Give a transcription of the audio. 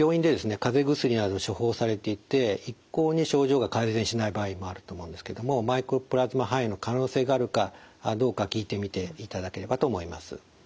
かぜ薬など処方されていて一向に症状が改善しない場合もあると思うんですけどもマイコプラズマ肺炎の可能性があるかどうか聞いてみていただければと思います。